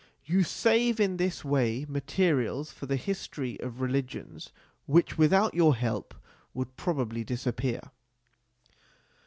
You save in this way materials for the history of religions which, without your help, would probably disappear.